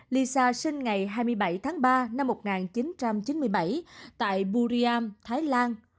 lisa sinh ngày hai mươi bảy tháng ba năm một nghìn chín trăm chín mươi bảy tại buriam thái lan